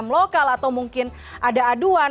mungkin dari umkm lokal atau mungkin ada aduan